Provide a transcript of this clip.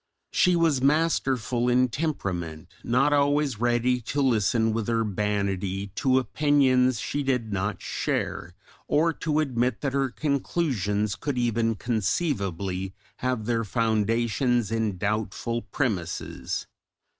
She was masterful in temperament, not always ready to listen with urbanity to opinions she did not share, or to admit that her conclusions could even conceivably have their foundations in doubtful premises.